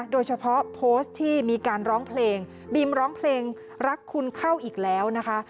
โดยเฉพาะโพสต์ที่มีการร้องเพลงบีมร้องเพลงรักคุณเข้าอีกแล้วนะคะ